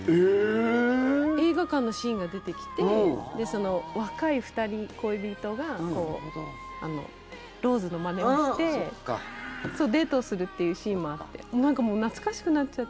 映画館のシーンが出てきて若い２人、恋人がローズのまねをしてデートをするってシーンもあってなんかもう懐かしくなっちゃって。